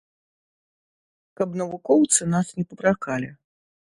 Каб навукоўцы нас не папракалі.